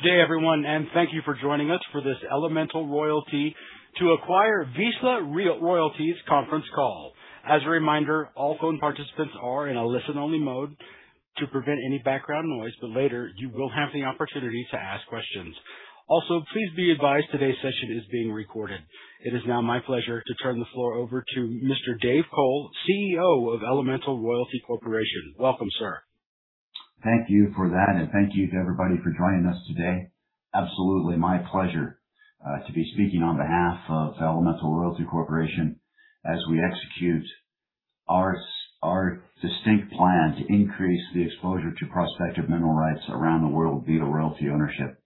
Good day everyone, thank you for joining us for this Elemental Royalty to acquire Vizsla Royalties conference call. As a reminder, all phone participants are in a listen-only mode to prevent any background noise, but later you will have the opportunity to ask questions. Please be advised today's session is being recorded. It is now my pleasure to turn the floor over to Mr. David Cole, CEO of Elemental Royalty Corporation. Welcome, sir. Thank you for that. Thank you to everybody for joining us today. Absolutely my pleasure to be speaking on behalf of Elemental Royalty Corporation as we execute our distinct plan to increase the exposure to prospective mineral rights around the world via royalty ownership.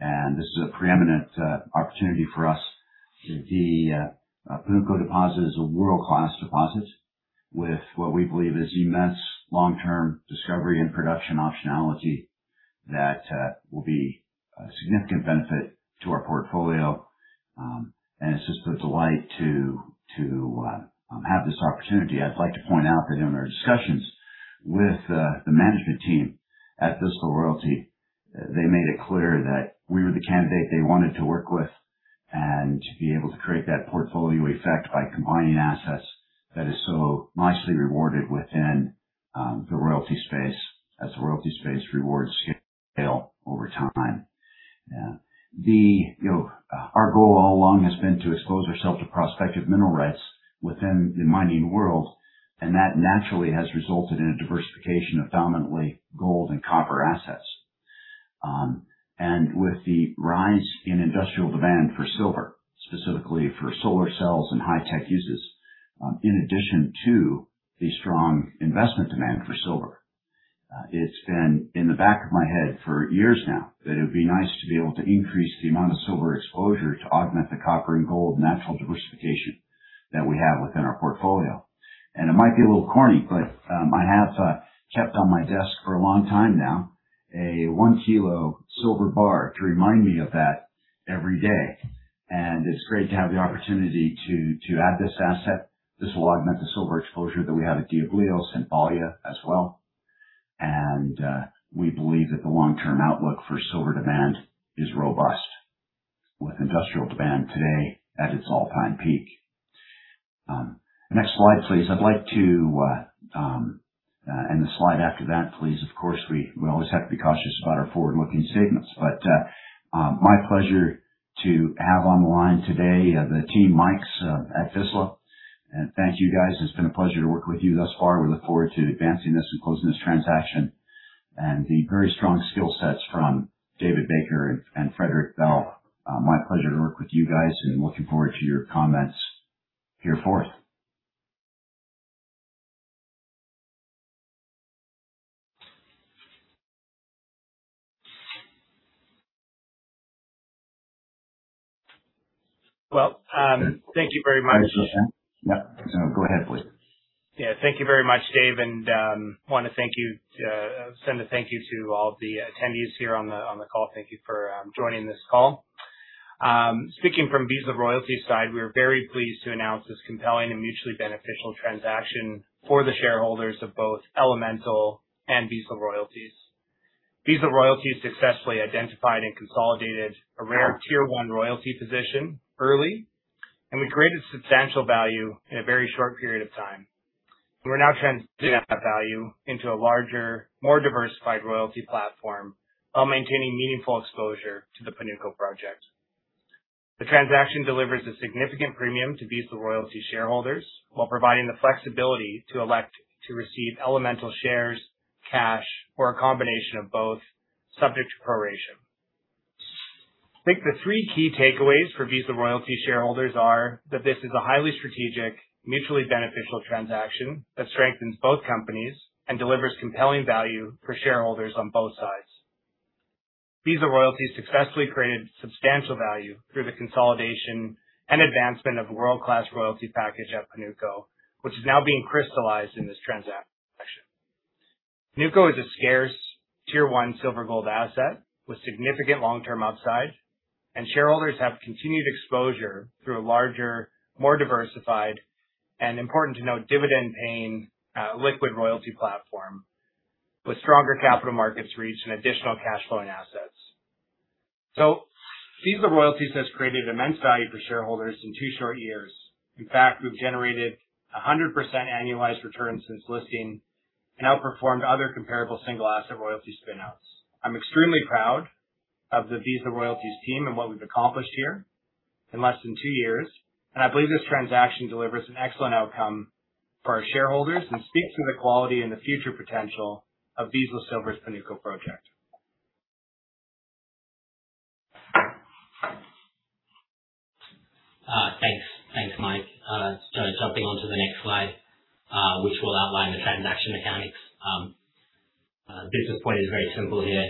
This is a preeminent opportunity for us. The Panuco deposit is a world-class deposit with what we believe is immense long-term discovery and production optionality that will be a significant benefit to our portfolio. It's just a delight to have this opportunity. I'd like to point out that in our discussions with the management team at Vizsla Royalties, they made it clear that we were the candidate they wanted to work with, and to be able to create that portfolio effect by combining assets that is so nicely rewarded within the royalty space as the royalty space rewards scale over time. You know, our goal all along has been to expose ourselves to prospective mineral rights within the mining world, and that naturally has resulted in a diversification of dominantly gold and copper assets. With the rise in industrial demand for silver, specifically for solar cells and high tech uses, in addition to the strong investment demand for silver, it's been in the back of my head for years now that it would be nice to be able to increase the amount of silver exposure to augment the copper and gold natural diversification that we have within our portfolio. It might be a little corny, but I have kept on my desk for a long time now a 1-kilo silver bar to remind me of that every day. It's great to have the opportunity to add this asset. This will augment the silver exposure that we have at Diablillos and Balya as well. We believe that the long-term outlook for silver demand is robust, with industrial demand today at its all-time peak. Next slide, please. The slide after that, please. Of course, we always have to be cautious about our forward-looking statements, but my pleasure to have on the line today, the team Mikes at Vizsla. Thank you, guys. It's been a pleasure to work with you thus far. We look forward to advancing this and closing this transaction. The very strong skill sets from David Baker and Frederick Bell, my pleasure to work with you guys and looking forward to your comments here forth. Well, thank you very much. Yeah. Go ahead, please. Yeah, thank you very much, Dave. Thank you, send a thank you to all the attendees here on the call. Thank you for joining this call. Speaking from Vizsla Royalties' side, we are very pleased to announce this compelling and mutually beneficial transaction for the shareholders of both Elemental and Vizsla Royalties. Vizsla Royalties successfully identified and consolidated a rare tier 1 royalty position early, and we created substantial value in a very short period of time. We're now translating that value into a larger, more diversified royalty platform while maintaining meaningful exposure to Panuco Project. the transaction delivers a significant premium to Vizsla Royalties shareholders while providing the flexibility to elect to receive Elemental shares, cash, or a combination of both, subject to proration. I think the three key takeaways for Vizsla Royalties shareholders are that this is a highly strategic, mutually beneficial transaction that strengthens both companies and delivers compelling value for shareholders on both sides. Vizsla Royalties successfully created substantial value through the consolidation and advancement of world-class royalty package at Panuco, which is now being crystallized in this transaction. Panuco is a scarce tier 1 silver gold asset with significant long-term upside, and shareholders have continued exposure through a larger, more diversified and important to note, dividend-paying, liquid royalty platform with stronger capital markets reach and additional cash flow and assets. Vizsla Royalties has created immense value for shareholders in two short years. In fact, we've generated 100% annualized return since listing and outperformed other comparable single asset royalty spin-outs. I'm extremely proud of the Vizsla Royalties team and what we've accomplished here in less than two years. I believe this transaction delivers an excellent outcome for our shareholders and speaks to the quality and the future potential of Vizsla silver's Panuco Project. Thanks. Thanks, Mike. So jumping onto the next slide, which will outline the transaction mechanics. Business point is very simple here.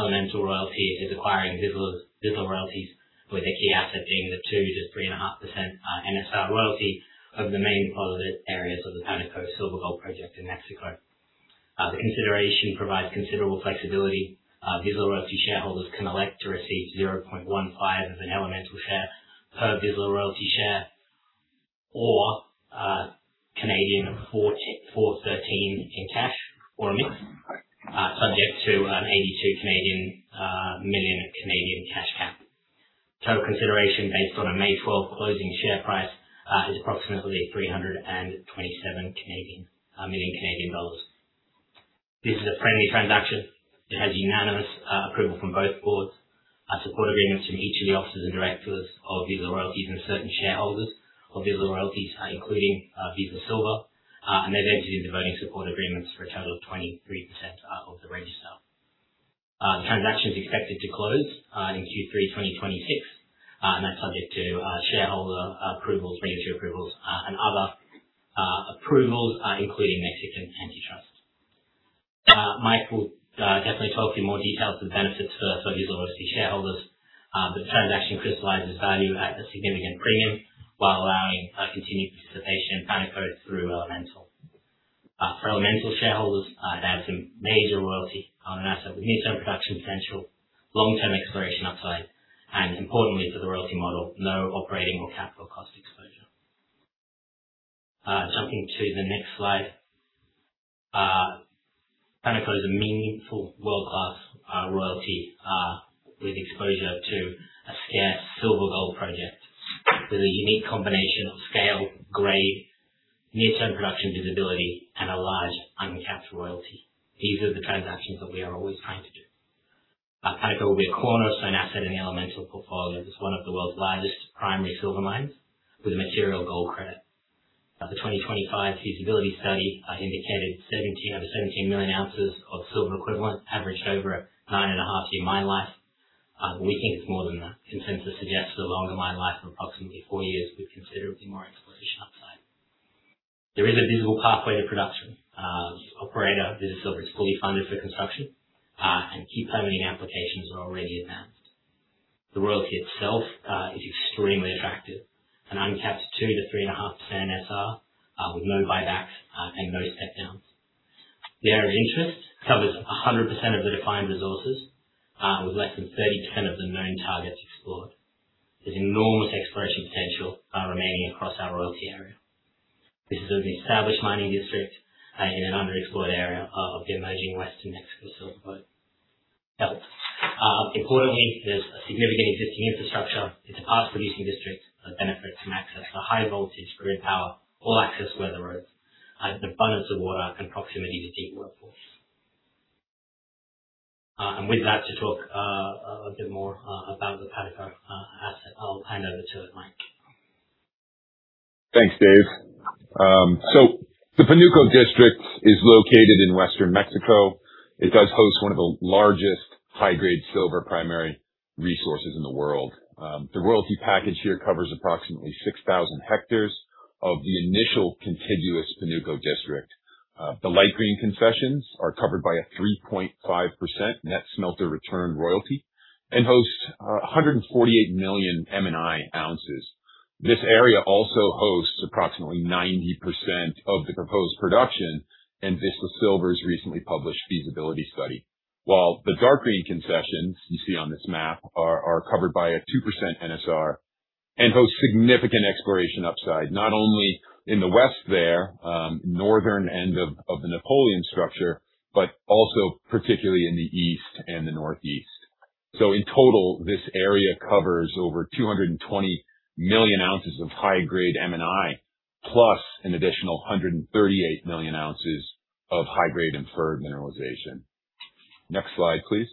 Elemental Royalty is acquiring Vizsla Royalties, with their key asset being the 2% to 3.5% NSR royalty over the main deposit areas of the Panuco Silver Gold project in Mexico. The consideration provides considerable flexibility. Vizsla Royalties shareholders can elect to receive 0.15 of an Elemental share per Vizsla Royalties share. 4.13 in cash or a mix, subject to a 82 million cash cap. Total consideration based on a May 12 closing share price, is approximately 327 million Canadian dollars. This is a friendly transaction. It has unanimous approval from both boards, support agreements from each of the officers and directors of Vizsla Royalties, and certain shareholders of Vizsla Royalties, including Vizsla Silver, and their entities voting support agreements for a total of 23% of the register. The transaction is expected to close in Q3 2026. That's subject to shareholder approvals, regulatory approvals, and other approvals, including Mexican antitrust. Mike will definitely talk to you in more details of the benefits for Vizsla Royalties shareholders. The transaction crystallizes value at a significant premium while allowing continued participation in Panuco through Elemental. For Elemental shareholders, they have some major royalty asset with near-term production potential, long-term exploration upside, and importantly for the royalty model, no operating or capital cost exposure. Jumping to the next slide. Panuco is a meaningful world-class royalty with exposure to a scarce silver gold project. With a unique combination of scale, grade, near-term production visibility, and a large uncapped royalty. These are the transactions that we are always trying to do. Panuco will be a cornerstone asset in the Elemental portfolio as one of the world's largest primary silver mines with a material gold credit. The 2025 feasibility study indicated over 17 million ounces of silver equivalent averaged over a 9.5-year mine life. We think it's more than that. Consensus suggests a longer mine life of approximately four years with considerably more exploration upside. There is a visible pathway to production. Operator Vizsla Silver is fully funded for construction and key permitting applications are already advanced. The royalty itself, is extremely attractive. An uncapped 2% to 3.5% NSR, with no buybacks, and no step downs. The area of interest covers 100% of the defined resources, with less than 30% of the known targets explored. There's enormous exploration potential remaining across our royalty area. This is an established mining district in an underexplored area of the emerging western Mexico Silver Belt. Importantly, there's a significant existing infrastructure. It's a past producing district that benefits from access to high voltage grid power, all access weather roads, an abundance of water, and proximity to cheap workforce. With that to talk a bit more about the Panuco asset, I'll hand over to Mike. Thanks, Dave. The Panuco district is located in western Mexico. It does host one of the largest high-grade silver primary resources in the world. The royalty package here covers approximately 6,000 hectares of the initial contiguous Panuco district. The light green concessions are covered by a 3.5% Net Smelter Return royalty and hosts 148 million M&I ounces. This area also hosts approximately 90% of the proposed production in Vizsla Silver's recently published feasibility study. The dark green concessions you see on this map are covered by a 2% NSR and host significant exploration upside, not only in the west there, northern end of the Napoleon structure, but also particularly in the east and the northeast. In total, this area covers over 220 million ounces of high-grade M&I, plus an additional 138 million ounces of high-grade inferred mineralization. Next slide, please.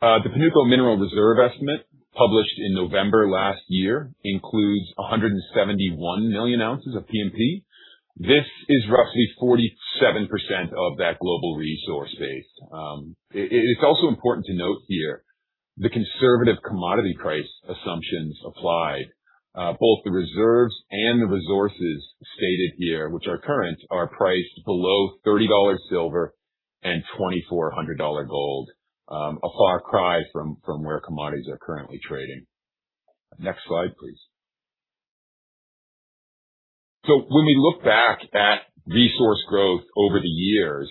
The Panuco mineral reserve estimate, published in November last year, includes 171 million ounces of P&P. This is roughly 47% of that global resource base. It's also important to note here the conservative commodity price assumptions applied. Both the reserves and the resources stated here, which are current, are priced below 30 dollars silver and 2,400 dollar gold. A far cry from where commodities are currently trading. Next slide, please. When we look back at resource growth over the years,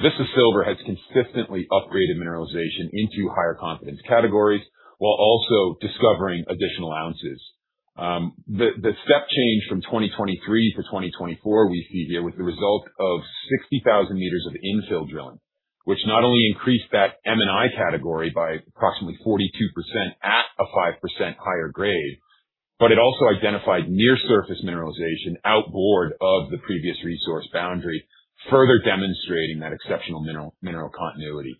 Vizsla Silver has consistently upgraded mineralization into higher confidence categories while also discovering additional ounces. The step change from 2023 to 2024 we see here was the result of 60,000 m of infill drilling. Which not only increased that M&I category by approximately 42% at a 5% higher grade, but it also identified near surface mineralization outboard of the previous resource boundary, further demonstrating that exceptional mineral continuity.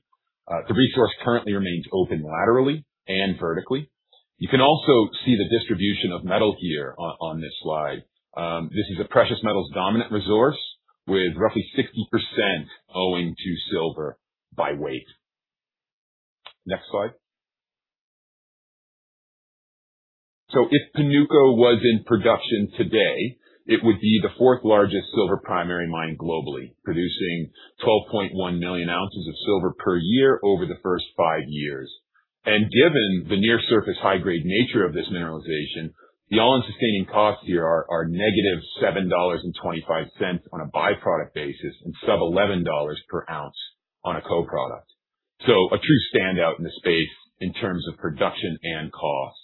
The resource currently remains open laterally and vertically. You can also see the distribution of metal here on this slide. This is a precious metals dominant resource with roughly 60% owing to silver by weight. Next slide. If Panuco was in production today, it would be the fourth largest silver primary mine globally, producing 12.1 million ounces of silver per year over the first five years. Given the near-surface high-grade nature of this mineralization, the all-in sustaining costs here are -7.25 dollars on a byproduct basis and sub 11 dollars per ounce on a co-product. A true standout in the space in terms of production and costs.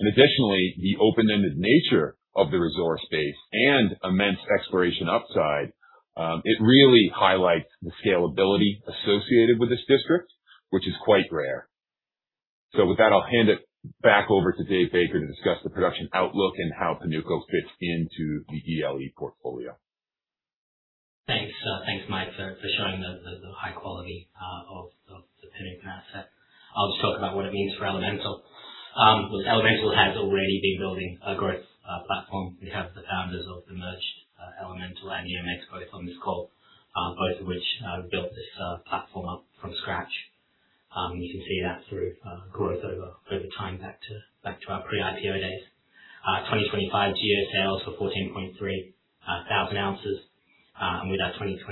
Additionally, the open-ended nature of the resource base and immense exploration upside, it really highlights the scalability associated with this district, which is quite rare. With that, I'll hand it back over to David Baker to discuss the production outlook and how Panuco fits into the ELE portfolio. Thanks, thanks, Mike, for showing the high quality of the Panuco asset. I'll just talk about what it means for Elemental. Look, Elemental has already been building a great platform. We have the founders of the merged Elemental and EMX both on this call, both of which built this platform up from scratch. You can see that through growth over time back to our pre-IPO days. 2025 GEO sales for 14.3 thousand ounces. With our 2026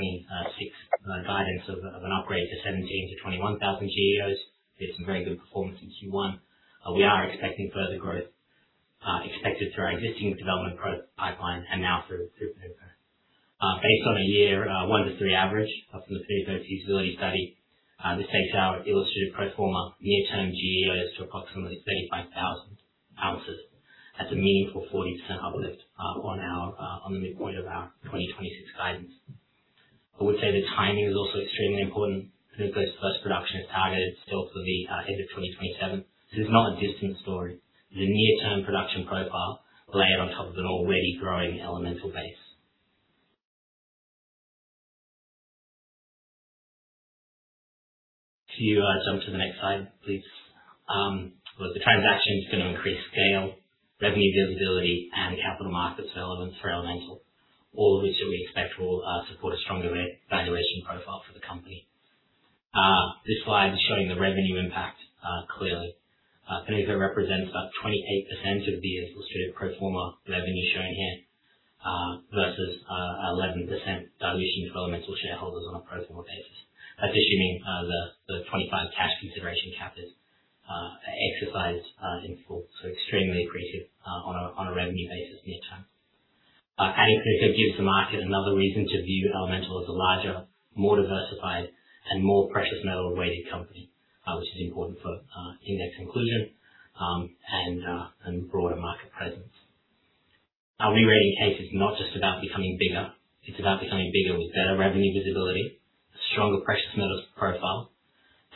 guidance of an upgrade to 17-21 thousand GEOs with some very good performance in Q1, we are expecting further growth expected through our existing development pipeline and now through Panuco. Based on a year, one of the three average from the Panuco feasibility study, this takes our illustrated pro forma near-term GEOs to approximately 35,000 ounces. That's a meaningful 40% uplift on our on the midpoint of our 2026 guidance. I would say the timing is also extremely important. Panuco 's first production is targeted still for the end of 2027. This is not a distant story. The near-term production profile layered on top of an already growing Elemental base. Can you jump to the next slide, please? Look, the transaction is gonna increase scale, revenue visibility and capital market relevance for Elemental. All of which we expect will support a stronger valuation profile for the company. This slide is showing the revenue impact clearly. Panuco represents about 28% of the illustrated pro forma revenue shown here, versus 11% dilution to Elemental shareholders on a pro forma basis. That's assuming the 25 cash consideration cap is exercised in full. Extremely accretive on a revenue basis near term. Adding Panuco gives the market another reason to view Elemental as a larger, more diversified and more precious metal-weighted company, which is important for index inclusion and broader market presence. Our rerating case is not just about becoming bigger, it's about becoming bigger with better revenue visibility, a stronger precious metals profile,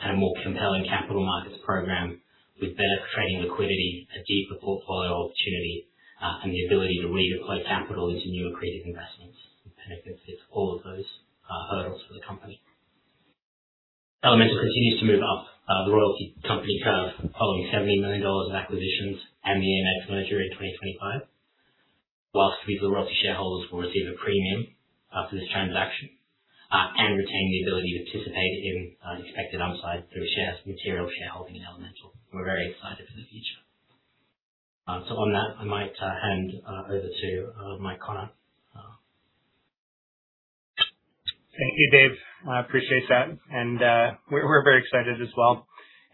and a more compelling capital markets program with better trading liquidity, a deeper portfolio opportunity, and the ability to redeploy capital into new accretive investments. I think it fits all of those hurdles for the company. Elemental continues to move up the royalty company chart following CAD 70 million of acquisitions and the EMX merger in 2025. While Vizsla Royalties Corp. shareholders will receive a premium after this transaction and retain the ability to participate in expected upside through material shareholding in Elemental. We're very excited for the future. On that, I might hand over to Mike Konnert. Thank you, David. I appreciate that. We're very excited as well.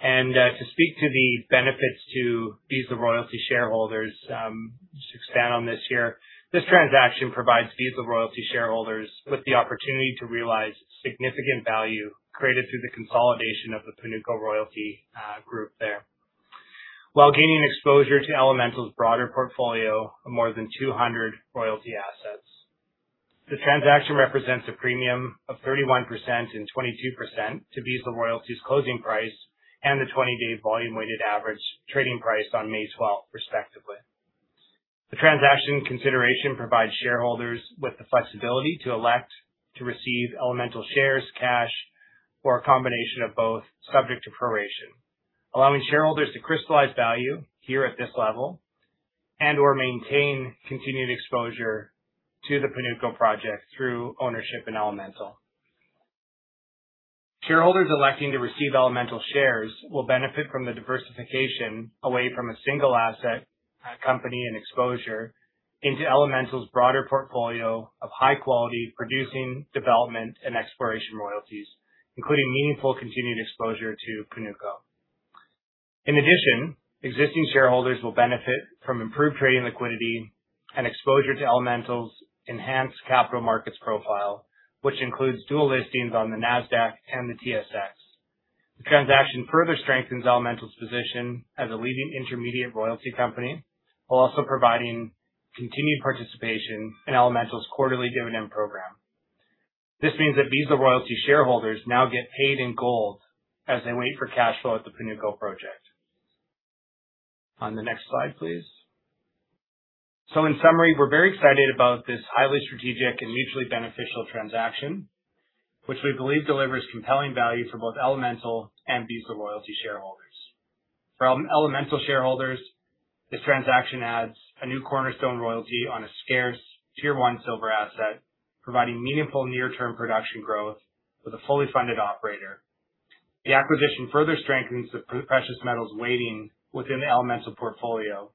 To speak to the benefits to Vizsla Royalties Corp. shareholders, just expand on this here. This transaction provides Vizsla Royalties shareholders with the opportunity to realize significant value created through the consolidation of the Panuco royalty group there, while gaining exposure to Elemental Royalty's broader portfolio of more than 200 royalty assets. The transaction represents a premium of 31% and 22% to Vizsla Royalties' closing price and the 20-day volume weighted average trading price on May 12th, respectively. The transaction consideration provides shareholders with the flexibility to elect to receive Elemental shares, cash, or a combination of both, subject to proration. Allowing shareholders to crystallize value here at this level and/or maintain continued exposure to the Panuco Project through ownership in Elemental. Shareholders electing to receive Elemental shares will benefit from the diversification away from a single asset company and exposure into Elemental's broader portfolio of high quality producing development and exploration royalties, including meaningful continued exposure to Panuco. In addition, existing shareholders will benefit from improved trading liquidity and exposure to Elemental's enhanced capital markets profile, which includes dual listings on the Nasdaq and the TSX. The transaction further strengthens Elemental's position as a leading intermediate royalty company, while also providing continued participation in Elemental's quarterly dividend program. This means that Vizsla Royalties shareholders now get paid in gold as they wait for cash flow at Panuco Project. on the next slide, please. In summary, we're very excited about this highly strategic and mutually beneficial transaction, which we believe delivers compelling value for both Elemental and Vizsla Royalties shareholders. For Elemental shareholders, this transaction adds a new cornerstone royalty on a scarce Tier 1 silver asset, providing meaningful near-term production growth with a fully funded operator. The acquisition further strengthens the precious metals weighting within the Elemental portfolio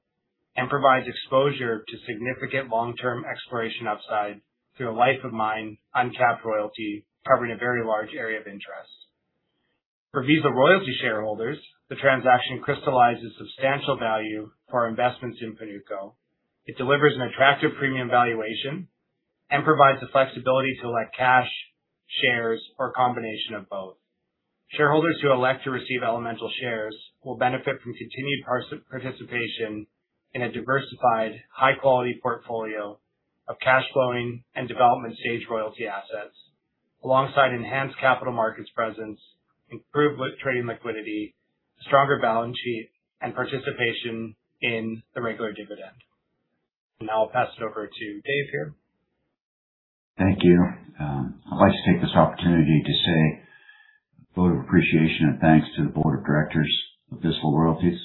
and provides exposure to significant long-term exploration upside through a life of mine uncapped royalty covering a very large area of interest. For Vizsla Royalties shareholders, the transaction crystallizes substantial value for our investments in Panuco. It delivers an attractive premium valuation and provides the flexibility to elect cash, shares, or a combination of both. Shareholders who elect to receive Elemental shares will benefit from continued participation in a diversified, high-quality portfolio of cash flowing and development stage royalty assets alongside enhanced capital markets presence, improved trading liquidity, stronger balance sheet, and participation in the regular dividend. Now I'll pass it over to David here. Thank you. I'd like to take this opportunity to say a vote of appreciation and thanks to the board of directors of Vizsla Royalties,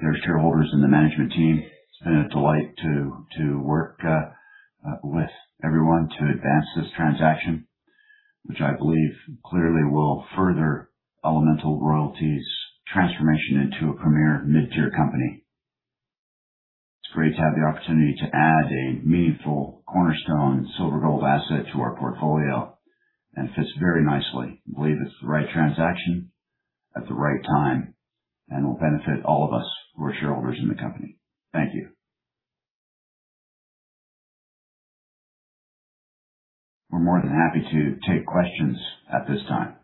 their shareholders, and the management team. It's been a delight to work with everyone to advance this transaction, which I believe clearly will further Elemental Royalty's transformation into a premier mid-tier company. It's great to have the opportunity to add a meaningful cornerstone silver gold asset to our portfolio, and it fits very nicely. I believe it's the right transaction at the right time and will benefit all of us who are shareholders in the company. Thank you. We're more than happy to take questions at this time.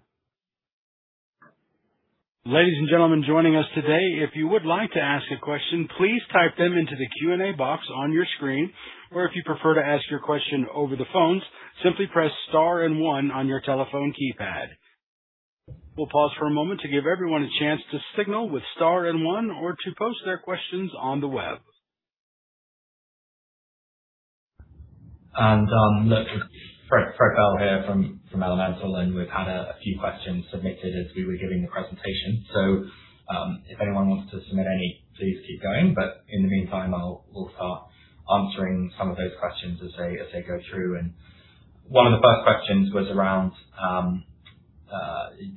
Ladies and gentlemen joining us today, if you would like to ask a question, please type them into the Q&A box on your screen. If you prefer to ask your question over the phones, simply press star and one on your telephone keypad. We'll pause for a moment to give everyone a chance to signal with star and one or to post their questions on the web. Look, Frederick Bell here from Elemental Royalty, we've had a few questions submitted as we were giving the presentation. If anyone wants to submit any, please keep going. In the meantime, we'll start answering some of those questions as they go through. One of the first questions was around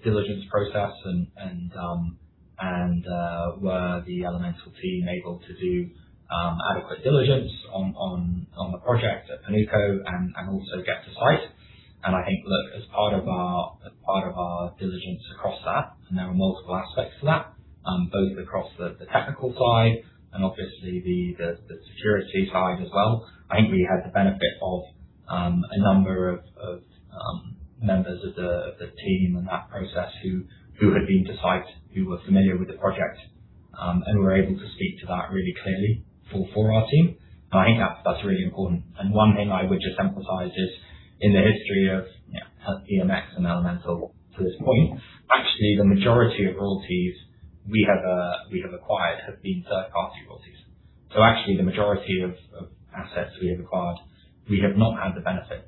diligence process and were the Elemental team able to do adequate diligence on the project at Panuco and also get to site. I think, look, as part of our diligence across that, and there are multiple aspects to that, both across the technical side and obviously the security side as well. I think we had the benefit of a number of members of the team in that process who had been to site, who were familiar with the project, and were able to speak to that really clearly for our team. I think that's really important. One thing I would just emphasize is in the history of EMX and Elemental to this point, actually the majority of royalties we have acquired have been third-party royalties. Actually the majority of assets we have acquired, we have not had the benefit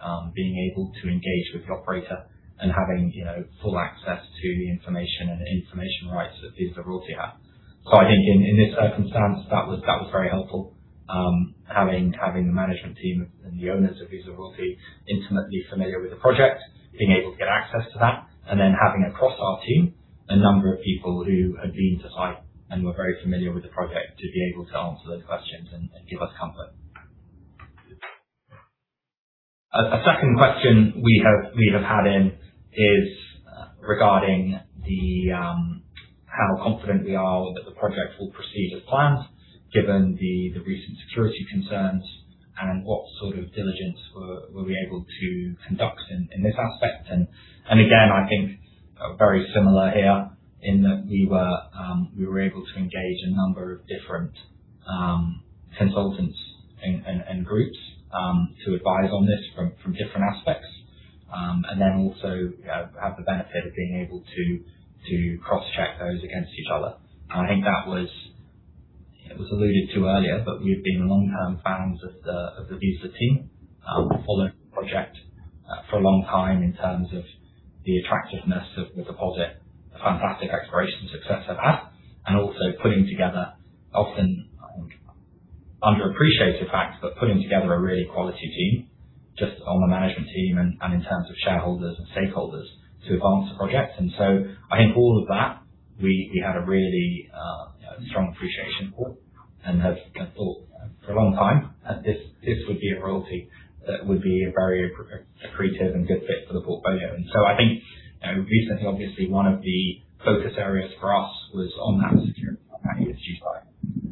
of being able to engage with the operator and having, you know, full access to the information and information rights that Vizsla Royalty had. I think in this circumstance, that was very helpful, having the management team and the owners of Vizsla Royalties intimately familiar with the project, being able to get access to that, and then having across our team a number of people who had been to site and were very familiar with the project to be able to answer those questions and give us comfort. A second question we have had in is regarding the how confident we are that the project will proceed as planned given the recent security concerns and what sort of diligence were we able to conduct in this aspect. Again, I think very similar here in that we were able to engage a number of different consultants and groups to advise on this from different aspects. Then also have the benefit of being able to cross-check those against each other. I think that was, it was alluded to earlier, but we've been long-term fans of the Vizsla team, followed the project for a long time in terms of the attractiveness of the deposit, the fantastic exploration success they've had, and also putting together often, I think, underappreciated fact, but putting together a really quality team just on the management team and in terms of shareholders and stakeholders to advance the project. I think all of that, we had a really strong appreciation for and have thought for a long time that this would be a royalty that would be a very accretive and good fit for the portfolio. I think, you know, recently, obviously one of the focus areas for us was on that security issue side.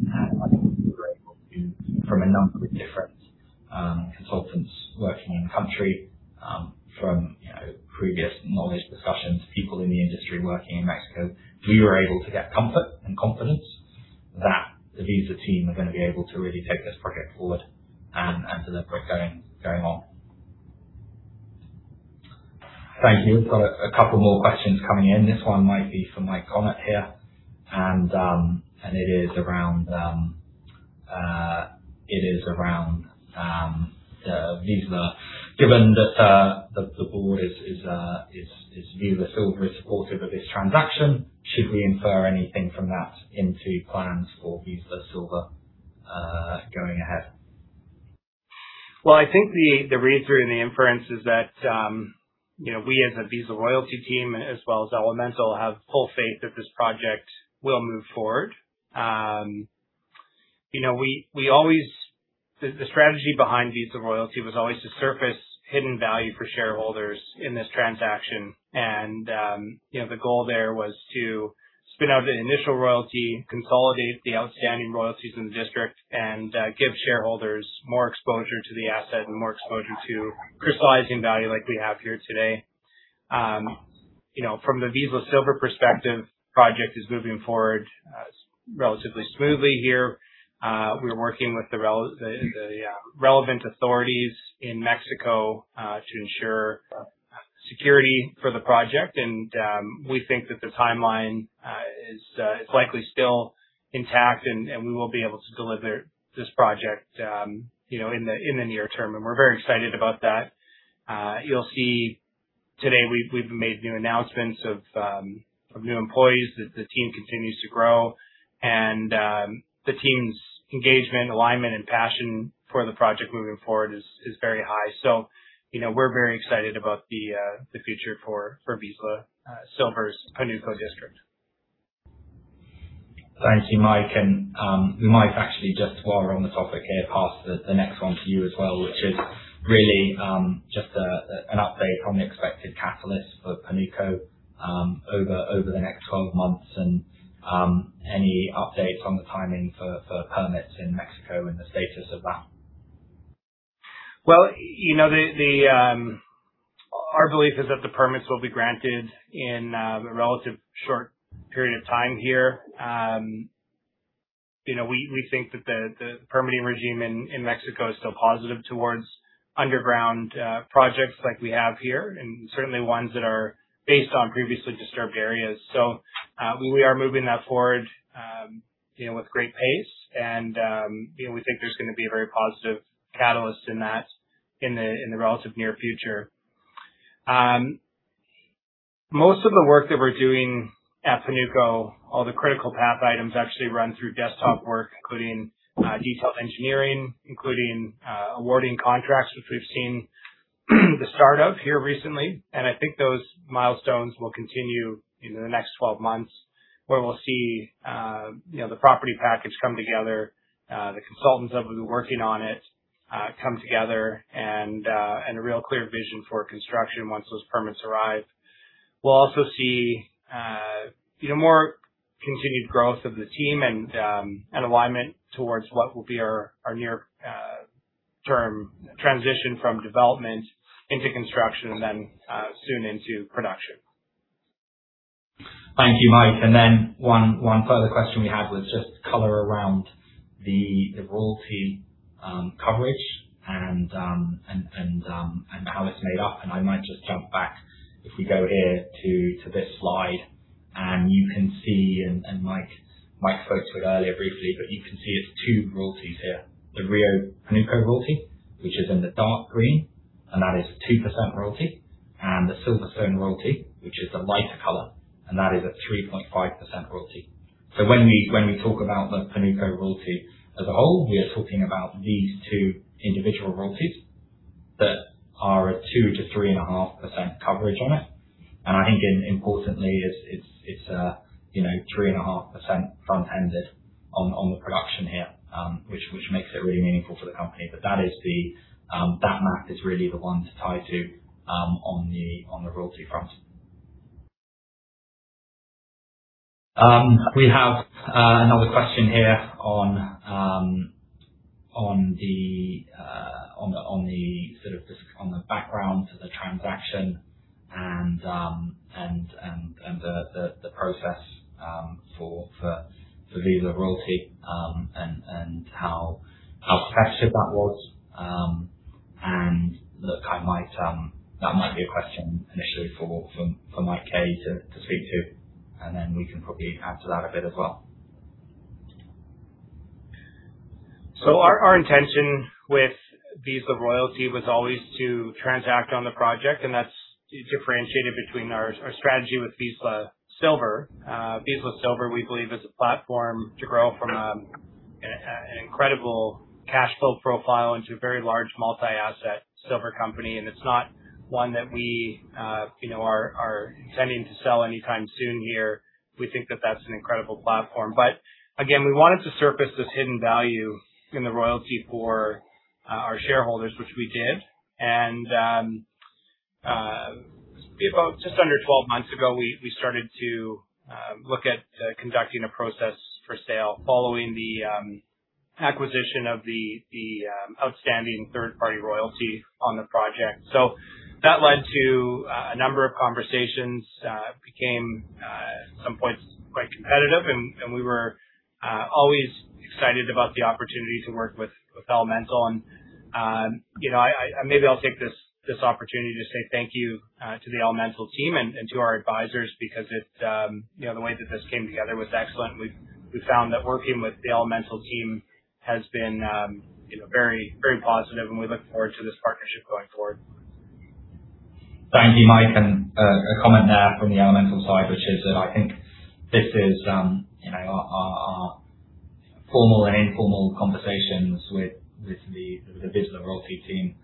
I think we were able to, from a number of different consultants working in country, from, you know, previous knowledge, discussions, people in the industry working in Mexico, we were able to get comfort and confidence that the Vizsla team are gonna be able to really take this project forward and deliver it going on. Thank you. We've got a couple more questions coming in. This one might be for Mike Konnert here. It is around the Vizsla. Given that the board is Vizsla Silver is supportive of this transaction, should we infer anything from that into plans for Vizsla Silver going ahead? Well, I think the read through and the inference is that, you know, we as a Vizsla Royalties team as well as Elemental have full faith that this project will move forward. You know, we always the strategy behind Vizsla Royalties was always to surface hidden value for shareholders in this transaction. You know, the goal there was to spin out the initial royalty, consolidate the outstanding royalties in the district, and give shareholders more exposure to the asset and more exposure to crystallizing value like we have here today. You know, from the Vizsla Silver perspective, project is moving forward, relatively smoothly here. We're working with the relevant authorities in Mexico to ensure security for the project. We think that the timeline is likely still intact and we will be able to deliver this project, you know, in the near term. We're very excited about that. You'll see today we've made new announcements of new employees as the team continues to grow. The team's engagement, alignment, and passion for the project moving forward is very high. You know, we're very excited about the future for Vizsla Silver's Panuco district. Thank you, Mike. We might actually just while we're on the topic here, pass the next one to you as well, which is really an update on the expected catalyst for Panuco over the next 12 months and any updates on the timing for permits in Mexico and the status of that. Well, you know, our belief is that the permits will be granted in a relative short period of time here. You know, we think that the permitting regime in Mexico is still positive towards underground projects like we have here, and certainly ones that are based on previously disturbed areas. We are moving that forward, you know, with great pace and, you know, we think there's gonna be a very positive catalyst in that in the relative near future. Most of the work that we're doing at Panuco, all the critical path items actually run through desktop work, including detailed engineering, including awarding contracts, which we've seen the start of here recently. I think those milestones will continue into the next 12 months, where we'll see, you know, the property package come together, the consultants that will be working on it, come together and a real clear vision for construction once those permits arrive. We'll also see, you know, more continued growth of the team and an alignment towards what will be our near-term transition from development into construction and then soon into production. Thank you, Mike. One further question we had was just color around the royalty coverage and how it's made up. I might just jump back if we go here to this slide. You can see Mike spoke to it earlier briefly, you can see it's two royalties here. The Rio Panuco royalty, which is in the dark green, that is a 2% royalty, the Silverstone royalty, which is the lighter color, that is a 3.5% royalty. When we talk about the Panuco royalty as a whole, we are talking about these two individual royalties that are a 2% to 3.5% coverage on it. I think importantly it's, you know, 3.5% front-ended on the production here, which makes it really meaningful for the company. That is the, that map is really the one to tie to on the royalty front. We have another question here on the sort of just on the background to the transaction and the process for Vizsla Royalty and how structured that was. And look, I might, that might be a question initially from Mike Kozak to speak to, and then we can probably add to that a bit as well. Our intention with Vizsla Royalty was always to transact on the project, and that's differentiated between our strategy with Vizsla Silver. Vizsla Silver, we believe, is a platform to grow from an incredible cash flow profile into a very large multi-asset silver company. It's not one that we, you know, are intending to sell anytime soon here. We think that that's an incredible platform. Again, we wanted to surface this hidden value in the royalty for our shareholders, which we did. About just under 12 months ago, we started to look at conducting a process for sale following the acquisition of the outstanding third-party royalty on the project. That led to a number of conversations, became at some points quite competitive and we were always excited about the opportunity to work with Elemental. You know, I'll take this opportunity to say thank you to the Elemental team and to our advisors because it, you know, the way that this came together was excellent. We found that working with the Elemental team has been, you know, very, very positive and we look forward to this partnership going forward. Thank you, Mike. A comment there from the Elemental side, which is that I think this is, you know, our, our formal and informal conversations with the Vizsla Royalties team,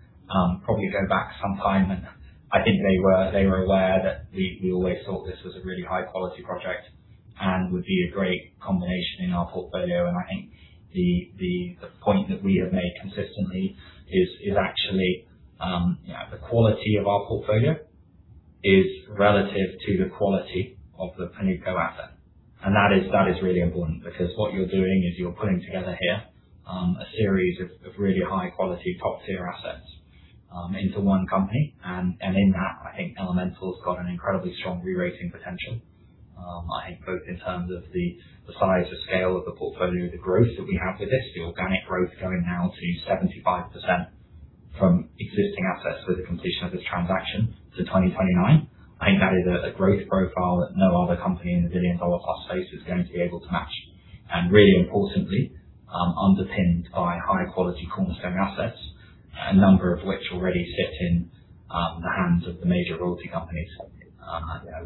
probably go back some time and I think they were, they were aware that we always thought this was a really high quality project and would be a great combination in our portfolio. I think the point that we have made consistently is actually, the quality of our portfolio is relative to the quality of the Panuco asset. That is, that is really important because what you're doing is you're putting together here, a series of really high quality top-tier assets, into one company. In that, I think Elemental's got an incredibly strong rerating potential. I think both in terms of the size and scale of the portfolio, the growth that we have with this, the organic growth going now to 75% from existing assets with the completion of this transaction to 2029. I think that is a growth profile that no other company in the billion-dollar plus space is going to be able to match. Really importantly, underpinned by high-quality cornerstone assets, a number of which already sit in the hands of the major royalty companies,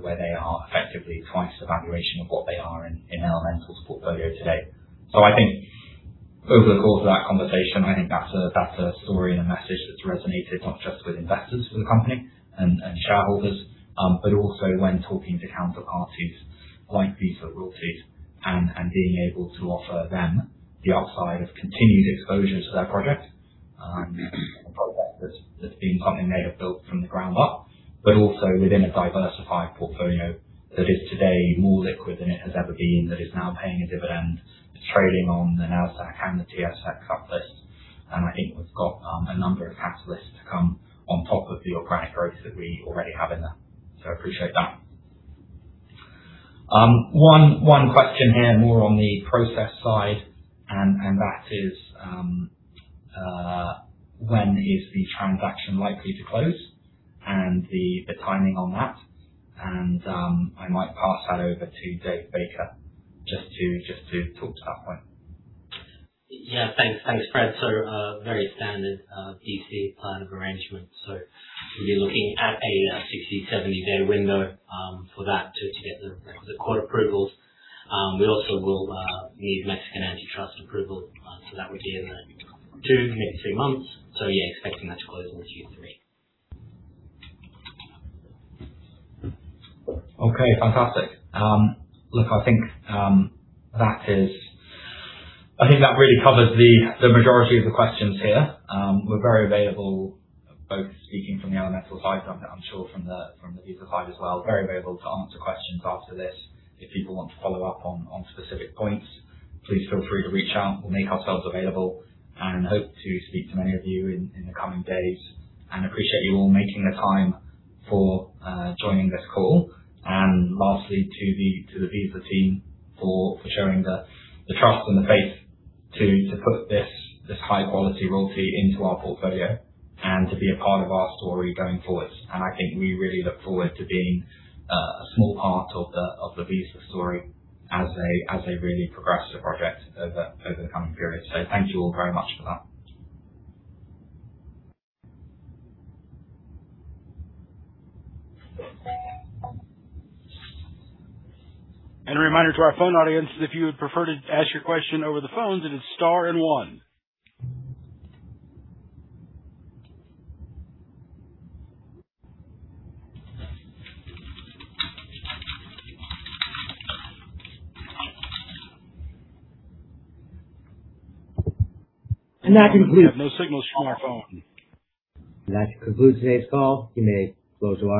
where they are effectively twice the valuation of what they are in Elemental's portfolio today. Over the course of that conversation, that's a, that's a story and a message that's resonated not just with investors for the company and shareholders, but also when talking to counterparties like Vizsla Royalties and being able to offer them the upside of continued exposure to their project, a project that's been something they have built from the ground up. Also within a diversified portfolio that is today more liquid than it has ever been, that is now paying a dividend. It's trading on the Nasdaq and the TSX Cup list. I think we've got a number of catalysts to come on top of the organic growth that we already have in there. I appreciate that. One question here, more on the process side, and that is, when is the transaction likely to close and the timing on that? I might pass that over to David Baker just to talk to that point. Yeah. Thanks. Thanks, Fred. Very standard BC plan of arrangement. We'll be looking at a 60, 70-day window for that to get the court approvals. We also will need Mexican antitrust approval. That would be in the two, maybe three months. Yeah, expecting that to close in Q3. Okay, fantastic. Look, I think that really covers the majority of the questions here. We're very available, both speaking from the Elemental side, I'm sure from the Vizsla side as well. Very available to answer questions after this. If people want to follow up on specific points, please feel free to reach out. We'll make ourselves available and hope to speak to many of you in the coming days. Appreciate you all making the time for joining this call. Lastly, to the Vizsla team for showing the trust and the faith to put this high-quality royalty into our portfolio and to be a part of our story going forwards. I think we really look forward to being a small part of the Vizsla story as they really progress the project over the coming period. Thank you all very much for that. A reminder to our phone audience, if you would prefer to ask your question over the phones, it is star and one. That concludes today's call. You may close your line.